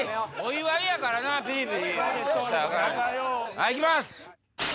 はいいきます！